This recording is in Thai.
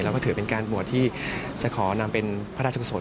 แล้วก็ถือเป็นการบวชที่จะขอนำเป็นพระราชกุศล